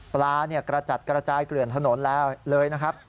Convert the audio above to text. กระจัดกระจายเกลื่อนถนนแล้วเลยนะครับ